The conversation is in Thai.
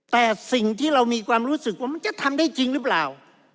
แต่สิ่งที่เรามีความรู้สึกว่ามันจะทำได้จริงหรือเปล่า